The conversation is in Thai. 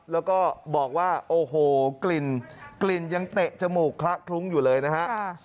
แล้วก็บอกว่าโอ้โหกลิ่นกลิ่นยังเตะจมูกคละคลุ้งอยู่เลยนะฮะ